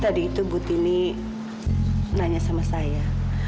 tadi itu butini nanya sama saya